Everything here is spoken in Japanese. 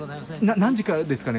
何時からですかね